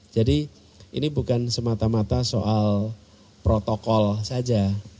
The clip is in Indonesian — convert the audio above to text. jadi ini bukan semata mata soal protokol saja